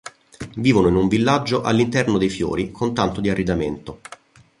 Vivono in un villaggio all'interno dei fiori con tanto di arredamento.